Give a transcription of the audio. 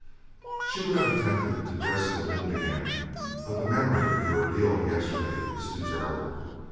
She would have attempted to dress the wound again, but the memory of the ordeal of yesterday was too terrible.